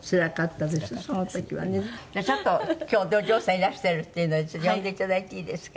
ちょっと今日お嬢さんいらしてるっていうので呼んでいただいていいですか？